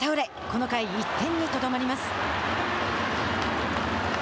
この回、１点にとどまります。